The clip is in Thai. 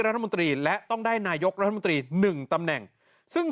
รัฐมนตรีและต้องได้นายกรัฐมนตรี๑ตำแหน่งซึ่ง